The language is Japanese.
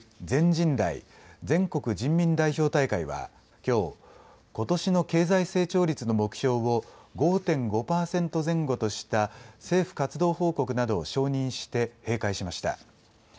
全人代・全国人民代表大会はきょう、ことしの経済成長率の目標を５．５％前後とした政府活動報告などを承認して閉会しました。